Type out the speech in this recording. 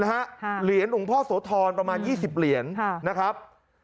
เหรียญหลวงพ่อโสธรประมาณ๒๐เหรียญนะครับ